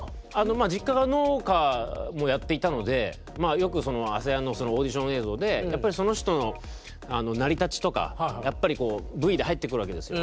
実家が農家もやっていたのでよく「ＡＳＡＹＡＮ」のオーディション映像でその人の成り立ちとかやっぱりＶで入ってくるわけですよ。